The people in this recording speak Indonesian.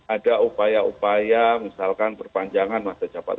ada upaya upaya misalkan perpanjangan masa jabatan